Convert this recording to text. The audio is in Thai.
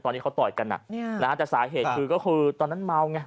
ตอนนี้เขาต่อยกันแต่สาเหตุคือก็คือตอนนั้นเมาไง